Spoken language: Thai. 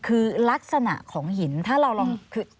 คือลักษณะของหินถ้าเราลองคือ